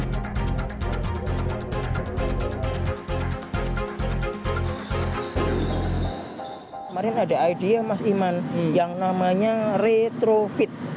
kemarin ada idea mas iman yang namanya retrofit